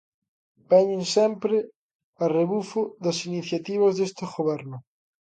Veñen sempre a rebufo das iniciativas deste goberno.